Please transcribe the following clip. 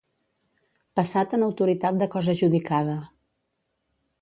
Passat en autoritat de cosa judicada.